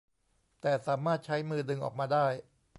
แต่สามารถใช้มือดึงออกมาได้